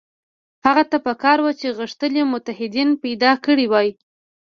هغه ته په کار وه چې غښتلي متحدین پیدا کړي وای.